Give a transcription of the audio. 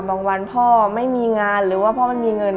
วันพ่อไม่มีงานหรือว่าพ่อไม่มีเงิน